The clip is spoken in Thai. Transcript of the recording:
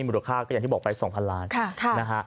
มูลค่าก็อย่างที่บอกไป๒๐๐ล้านนะฮะ